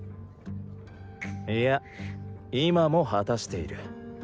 いや今も果たしている。